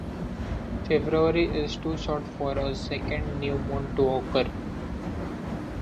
February is too short for a second new moon to occur.